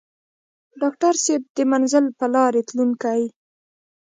ډاکټر صېب د منزل پۀ لارې تلونکے